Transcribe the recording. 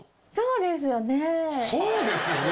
「そうですよね」？